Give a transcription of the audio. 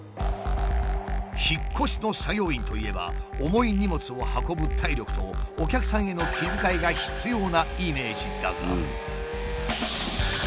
引っ越しの作業員といえば重い荷物を運ぶ体力とお客さんへの気遣いが必要なイメージだが。